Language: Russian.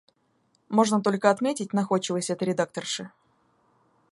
Можно только отметить находчивость этой редакторши.